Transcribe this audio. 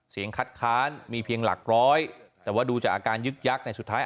คัดค้านมีเพียงหลักร้อยแต่ว่าดูจากอาการยึดยักษ์ในสุดท้าย